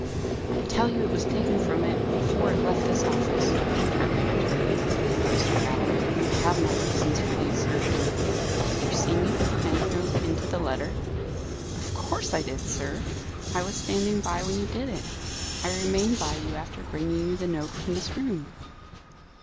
"I tell you it was taken from it before it left this office," tartly returned Mr. Galloway. "I have my reasons for the assertion. Did you see me put the bank note into the letter?" "Of course I did, sir. I was standing by when you did it: I remained by you after bringing you the note from this room."